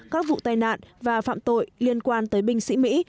các vụ tai nạn và phạm tội liên quan tới binh sĩ mỹ